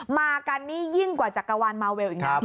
มากันนี่ยิ่งกว่าจักรวาลมาเวลอีกนะ